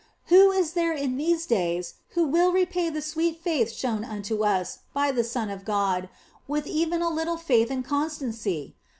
Who is there in these days who will repay the sweet faith shown unto us by the Son of God with even a little faith and constancy